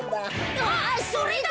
あそれだ！